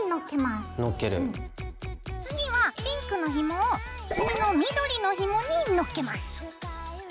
次はピンクのひもを次の緑のひもに載っけます。